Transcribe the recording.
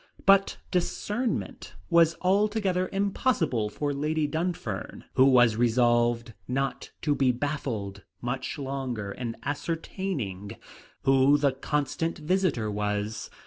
But discernment was altogether impossible for Lady Dunfern, who was resolved not to be baffled much longer in ascertaining who the constant visitor was.